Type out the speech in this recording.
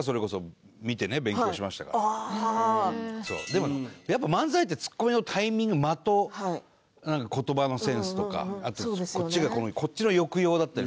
でもやっぱ漫才ってツッコミのタイミング間と言葉のセンスとかあとこっちの抑揚だったりする。